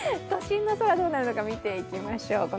都心の空どうなるのか見ていきましょう。